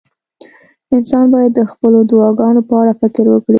انسان باید د خپلو دعاګانو په اړه فکر وکړي.